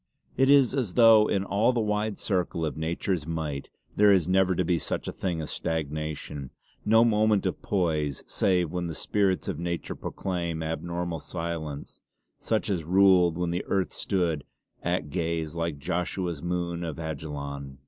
It is as though in all the wide circle of nature's might there is never to be such a thing as stagnation; no moment of poise, save when the spirits of nature proclaim abnormal silence, such as ruled when earth stood "at gaze, like Joshua's moon on Ajalon."